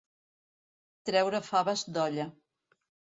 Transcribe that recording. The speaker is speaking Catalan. Treure faves d'olla.